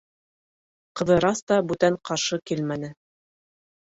Ҡыҙырас та бүтән ҡаршы килмәне.